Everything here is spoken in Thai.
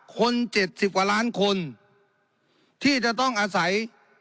คนเจ็ดสิบกว่าล้านคนที่จะต้องอาศัย